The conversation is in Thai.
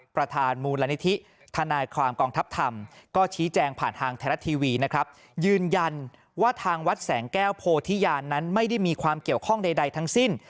ประธานมูลนิธิทนายความกองทัพธรรมก็ชี้แจงผ่านทางไทยรัฐทีวีนะครับยืนยันว่าทางวัดแสงแก้วโพธิญาณนั้นไม่ได้มีความเกี่ยวข้องใดทั้งสิ้น